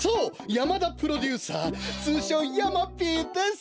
山田プロデューサーつうしょう山Ｐです。